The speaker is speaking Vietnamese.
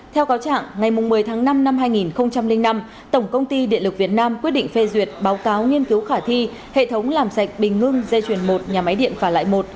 theo cáo trạng ngày một mươi tháng năm năm hai nghìn năm tổng công ty điện lực việt nam quyết định phê duyệt báo cáo nghiên cứu khả thi hệ thống làm sạch bình ngưng dây chuyển một nhà máy điện phả lại một